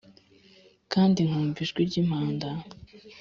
Kandi nkumva ijwi ry impanda